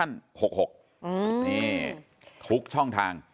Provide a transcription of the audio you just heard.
นี่ทุกช่องทาง